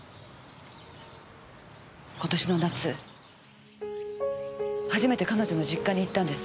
今年の夏初めて彼女の実家に行ったんです